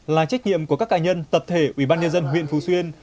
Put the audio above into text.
là trách nhiệm của các cá nhân tập thể ubnd huyện phú xuyên